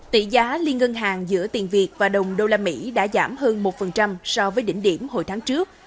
tỷ giá liên ngân hàng giữa tiền việt và đồng usd đã giảm hơn một so với đỉnh điểm hồi tháng trước